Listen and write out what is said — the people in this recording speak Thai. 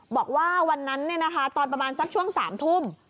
บอกว่าวันนั้นตอนประมาณสักช่วง๓ทุ่ม